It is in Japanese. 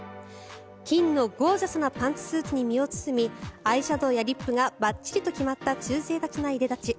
金のゴージャスなパンツスーツに身を包みアイシャドーやリップがばっちりと決まった中性的ないでたち。